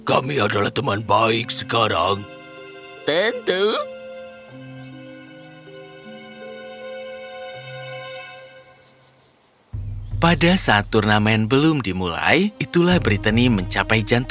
oh aku melihat kesatria berbaju zirah dan dia melampai padaku